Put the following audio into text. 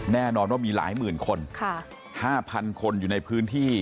แน่นอนว่ามีหลายหมื่นคน๕๐๐คนอยู่ในพื้นที่